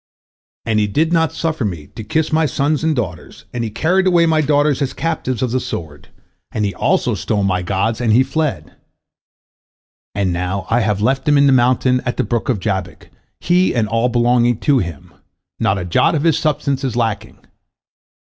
And he did not suffer me to kiss my sons and daughters, and he carried away my daughters as captives of the sword, and he also stole my gods, and he fled. And now I have left him in the mountain of the brook of Jabbok, he and all belonging to him, not a jot of his substance is lacking.